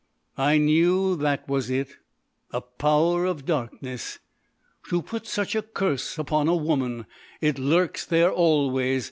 "I knew that was it. A Power of Darkness. To put such a curse upon a woman! It lurks there always.